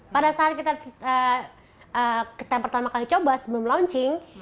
pada saat kita pertama kali coba sebelum launching